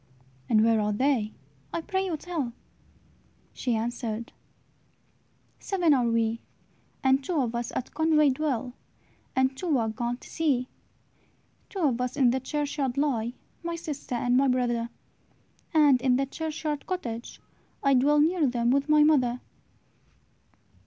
"And where are they? I pray you tell." She answered, "Seven are we; And two of us at Conway dwell, And two are gone to sea. "Two of us in the churchyard lie, My sister and my brother; And in the churchyard cottage, I Dwell near them with my mother."